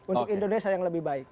untuk indonesia yang lebih baik